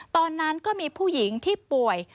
ตอนนั้นก็มีผู้หญิงที่ป่วย